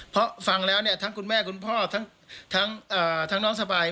เพราะฟังแล้วเนี่ยทั้งคุณแม่คุณพ่อทั้งน้องสบาย